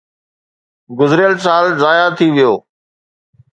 گذريل سال ضايع ٿي ويو.